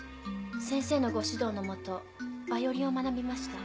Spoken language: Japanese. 先生のご指導の下バイオリンを学びました。